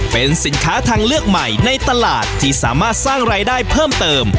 เป็นสินค้าทางเลือกใหม่ในตลาดที่สามารถสร้างรายได้เพิ่มเติม